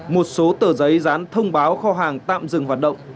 một số tờ giấy dán thông báo kho hàng tạm dừng hoạt động